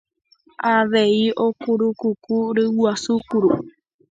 avei okurukuku ryguasu kuru